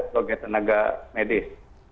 bagi tenaga medis